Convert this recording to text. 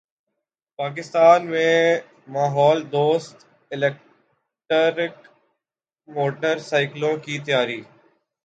پاکستان میں ماحول دوست الیکٹرک موٹر سائیکلوں کی تیاری